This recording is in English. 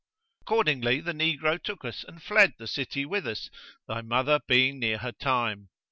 Accordingly the negro took us and fled the city with us, thy mother being near her time.